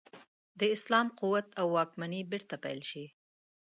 اسلام قوت او واکمني بیرته پیل شي.